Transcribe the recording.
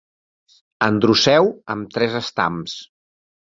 Androceu amb tres estams.